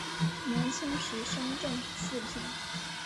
明清时升正四品。